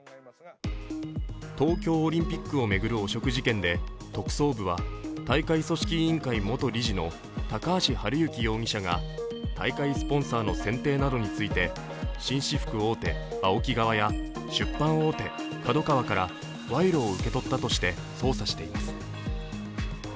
東京オリンピックを巡る汚職事件で特捜部は大会組織委員会元理事の高橋治之容疑者が大会スポンサーの選定などについて紳士服大手・ＡＯＫＩ側や出版大手、ＫＡＤＯＫＡＷＡから賄賂を受けとったとして捜査しています。